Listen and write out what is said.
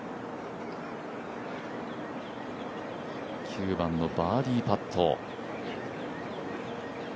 ９番のバーディーパット。